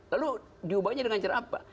lalu diubahnya dengan cara apa